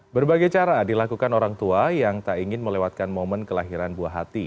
berbagai cara dilakukan orang tua yang tak ingin melewatkan momen kelahiran buah hati